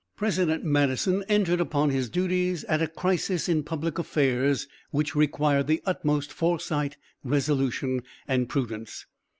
President Madison entered upon his duties at a crisis in public affairs which required the utmost foresight, resolution and prudence.